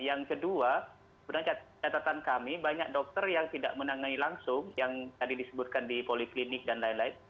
yang kedua sebenarnya catatan kami banyak dokter yang tidak menangani langsung yang tadi disebutkan di poliklinik dan lain lain